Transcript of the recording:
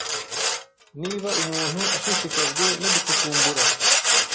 Niba umuntu ashishikajwe no gucukumbura